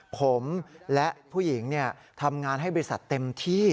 ผมและผู้หญิงทำงานให้บริษัทเต็มที่